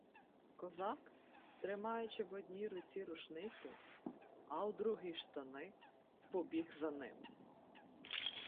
Козак, тримаючи в одній руці рушницю, а у другій штани, побіг за ним.